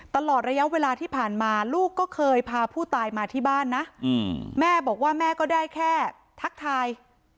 ตลอดระยะเวลาที่ผ่านมาลูกก็เคยพาผู้ตายมาที่บ้านนะแม่บอกว่าแม่ก็ได้แค่ทักทาย